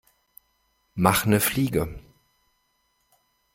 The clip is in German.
Mach 'ne Fliege!